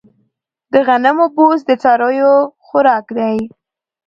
د غنمو بوس د څارویو خوراک دی.